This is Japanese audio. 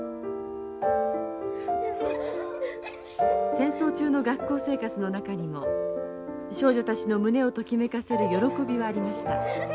戦争中の学校生活の中にも少女たちの胸をときめかせる喜びはありました。